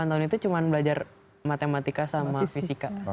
jadi enam delapan tahun itu cuma belajar matematika sama fisika